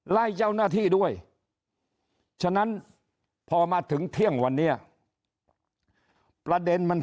เจ้าหน้าที่ด้วยฉะนั้นพอมาถึงเที่ยงวันนี้ประเด็นมัน